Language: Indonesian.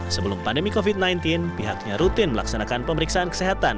sebelum pandemi covid sembilan belas pihaknya rutin melaksanakan pemeriksaan kesehatan